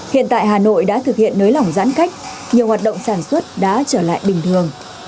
hiện tại hà nội đã thực hiện nới lỏng giãn cách nhiều hoạt động sản xuất đã trở lại bình thường